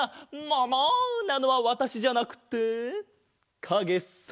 もも！なのはわたしじゃなくてかげさ！